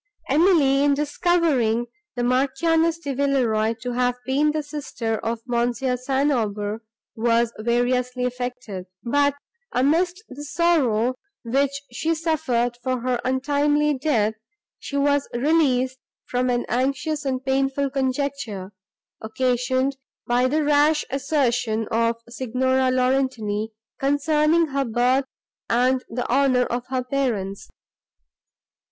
Emily, in discovering the Marchioness de Villeroi to have been the sister of Mons. St. Aubert, was variously affected; but, amidst the sorrow, which she suffered for her untimely death, she was released from an anxious and painful conjecture, occasioned by the rash assertion of Signora Laurentini, concerning her birth and the honour of her parents.